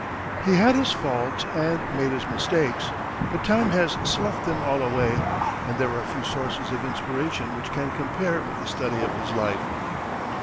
He had his faults and made his mistakes; but time has sloughed them all away, and there are few sources of inspiration which can compare with the study of his life.